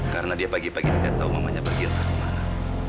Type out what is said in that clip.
karena dia pagi pagi tidak tahu mamanya pergi atau kemana